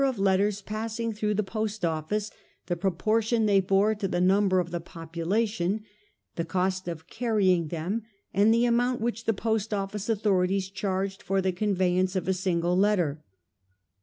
93 of letters passing through the Post Office, the propor tion they bore to the number of the population, the cost of carrying them, and the amount which the Post Office authorities charged for the conveyance of a single letter.